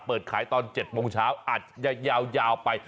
เปิดขายตอน๗โมงเช้าอาจจะยาวไป